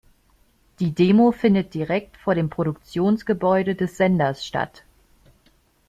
Die Demo findet direkt vor dem Produktionsgebäude des Senders statt.